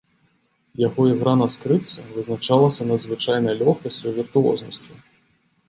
Яго ігра на скрыпцы вызначалася надзвычайнай лёгкасцю, віртуознасцю.